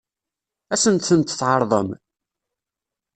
Ad sen-tent-tɛeṛḍem?